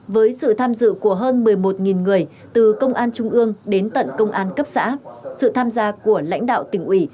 với sự tham dự của hơn một mươi một người từ công an trung ương đến tận công an cấp xã sự tham gia của lãnh đạo tỉnh ủy